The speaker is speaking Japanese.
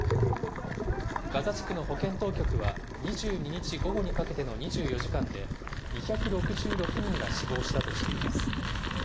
ガザ地区の保健当局は、２２日午後にかけての２４時間で、２６６人が死亡したとしています。